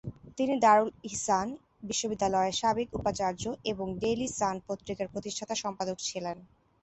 তিনি দারুল ইহসান বিশ্ববিদ্যালয়ের সাবেক উপাচার্য এবং ডেইলি সান পত্রিকার প্রতিষ্ঠাতা সম্পাদক ছিলেন।